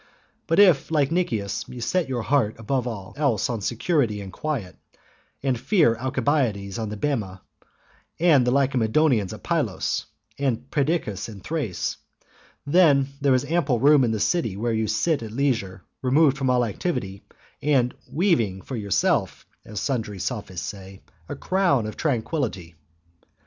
But if, like Nicias, you set your heart above all else on security and quiet, and fear Alcibiades on the bema, and the Lacedaemonians at Pylos, and Perdiccas in Thrace, then there is ample room in the city where you can sit at leisure, removed from all activity, and " weaving for yourself," as sundry Sophists say, "a crown of tran quillity."